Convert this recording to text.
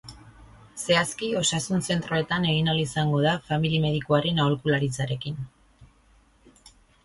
Zehazki, osasun zentroetan egin ahal izango da famili medikuaren aholkularitzarekin.